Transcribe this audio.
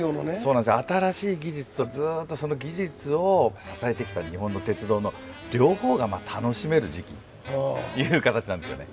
新しい技術とずっとその技術を支えてきた日本の鉄道の両方が楽しめる時期という形なんですよね。